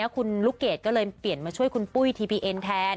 คุณลูกเกดก็เลยเปลี่ยนมาช่วยคุณปุ้ยทีพีเอ็นแทน